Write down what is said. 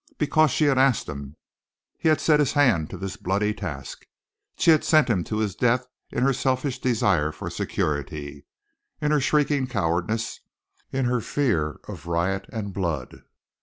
Because she had asked him, he had set his hand to this bloody task. She had sent him to his death in her selfish desire for security, in her shrinking cowardice, in her fear of riot and blood.